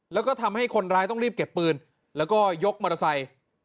แล้วก็ทำให้คนร้ายต้องรีบเก็บปืนแล้วก็ยกมอเตอร์ไซค์